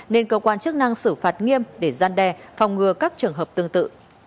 nên cơ quan chức năng xử phạt nghiêm để gian đe phòng ngừa các trường hợp tương tự